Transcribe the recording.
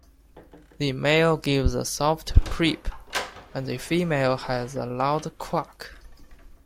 The male gives a soft "preep", and the female has a loud quack.